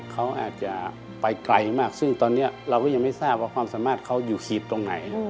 เขาอาจจะไปไกลมากซึ่งตอนนี้เราก็ยังไม่ทราบว่าความสามารถเขาอยู่ขีดตรงไหน